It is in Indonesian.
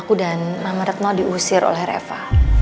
aku dan mama retno diusir oleh reva